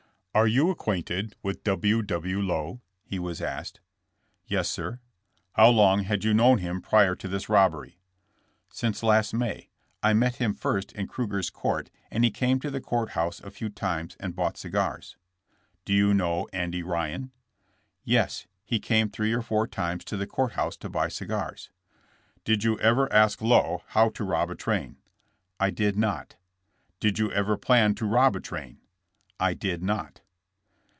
Are you acquainted with W. W. Lowe?'* he was asked. Yes, sir.'' How long had yom known him prior to this robbery?" *' Since last May. I met him first in Krueger's court and he came to the court house a few times and bought cigars." *'Do you know Andy Ryan?" Yes; he came three or four times ta the court iiouse to buy cigars." Did you ever aak Lowe how to rob a train?" I did not." Did you ever plan to rob a train?" ^'I did not."